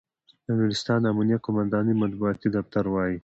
د نورستان امنیه قوماندانۍ مطبوعاتي دفتر وایي،